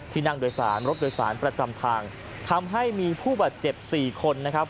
นั่งโดยสารรถโดยสารประจำทางทำให้มีผู้บาดเจ็บ๔คนนะครับ